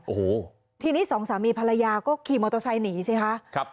โอ้โหทีนี้สองสามีภรรยาก็ขี่มอเตอร์ไซค์หนีสิคะครับ